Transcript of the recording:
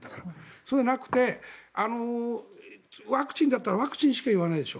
そうじゃなくてワクチンだったらワクチンしか言わないでしょ。